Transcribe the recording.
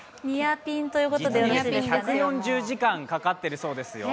実に１４０時間かかってるそうですよ